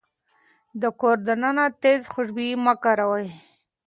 د کور دننه تيز خوشبويي مه کاروئ.